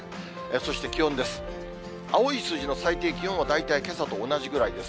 そして気温です。